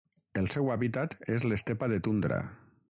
El seu hàbitat és l'estepa de tundra.